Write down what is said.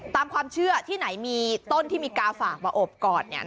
ตามความเชื่อที่ไหนมีต้นที่มีกาฝากมาอบกอด